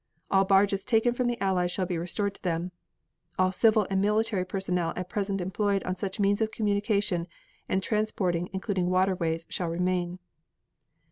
All barges taken from the Allies shall be restored to them. All civil and military personnel at present employed on such means of communication and transporting including waterways shall remain.